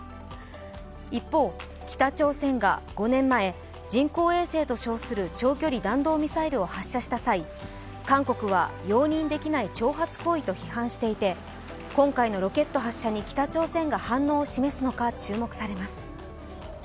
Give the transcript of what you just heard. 一方、北朝鮮が５年前人工衛星と称する長距離弾道ミサイルを発射した際、韓国は、容認できない挑発行為と批判していて今回のロケット発射に北朝鮮が反応を示すのか注目されます。